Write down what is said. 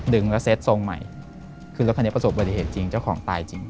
ดึงแล้วเซ็ตทรงใหม่คือรถคันนี้ประสบบัติเหตุจริงเจ้าของตายจริง